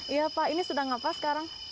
iya pak ini sedang apa sekarang